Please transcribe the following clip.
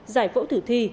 giải phẫu thử thi